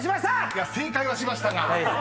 ［いや正解はしましたが］